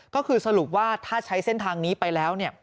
ก็คือสรุปว่าถ้าใช้เส้นทางนี้ไปแล้ว